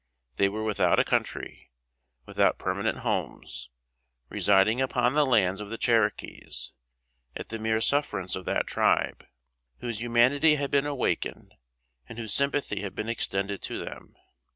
They were without a country without permanent homes residing upon the lands of the Cherokees, at the mere sufferance of that Tribe, whose humanity had been awakened, and whose sympathy had been extended to them.